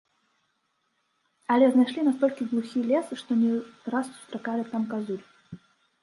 Але знайшлі настолькі глухі лес, што не раз сустракалі там казуль.